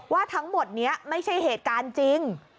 ว่าทั้งหมดนี้ไม่ใช่เหตุการณ์จริง